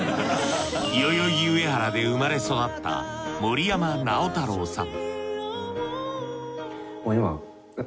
代々木上原で生まれ育った森山直太朗さん